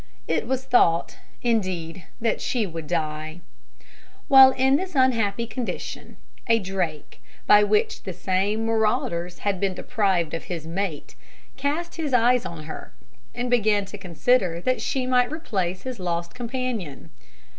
It was thought, indeed, that she would die. While in this unhappy condition, a drake, which by the same marauders had been deprived of his mate, cast his eyes on her, and began to consider that she might replace his lost companion.